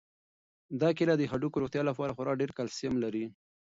دا کیله د هډوکو د روغتیا لپاره خورا ډېر کلسیم لري.